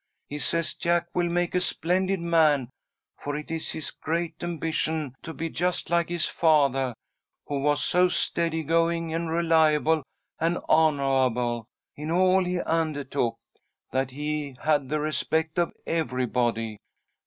He says Jack will make a splendid man, for it is his great ambition to be just like his fathah, who was so steady going and reliable and honahable in all he undahtook, that he had the respect of everybody.